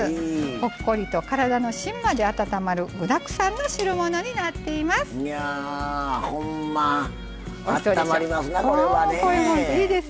ほっこりと体の芯まで温まる具だくさんの汁物になっています。